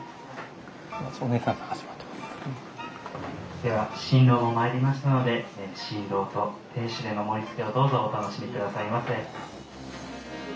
では新郎も参りましたので新郎と亭主での盛りつけをどうぞお楽しみくださいませ。